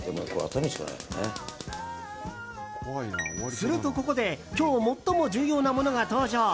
するとここで今日最も重要なものが登場。